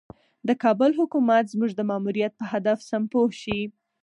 د کابل حکومت زموږ د ماموریت په هدف سم پوه شي.